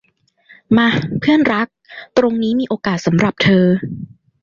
มา เพื่อนรัก ตรงนี้มีโอกาสสำหรับเธอ